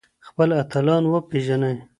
خپل اتلان وپېژنئ.